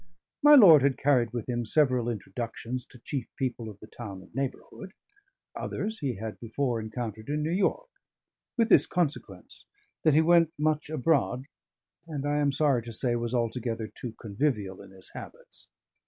My lord had carried with him several introductions to chief people of the town and neighbourhood; others he had before encountered in New York: with this consequence, that he went much abroad, and I am sorry to say was altogether too convivial in his habits.